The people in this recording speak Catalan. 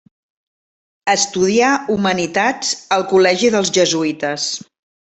Estudià humanitats al col·legi dels jesuïtes.